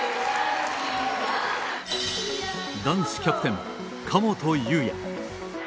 男子キャプテン、神本雄也。